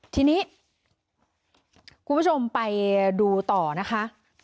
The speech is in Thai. ทีนี้คุณผู้ชมไปดูต่อนะคะ